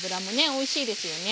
おいしいですよね。